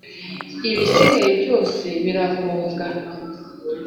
Ibisiga byose birahunga.